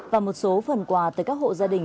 và một số phần quà tới các hộ gia đình